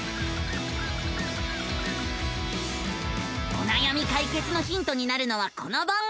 おなやみ解決のヒントになるのはこの番組。